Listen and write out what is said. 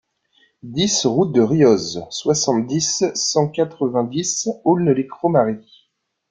dix route de Rioz, soixante-dix, cent quatre-vingt-dix, Aulx-lès-Cromary